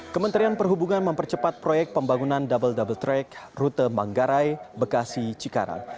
kementerian perhubungan mempercepat proyek pembangunan double double track rute manggarai bekasi cikarang